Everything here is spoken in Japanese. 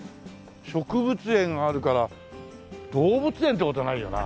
植物園あるから動物園って事はないよな。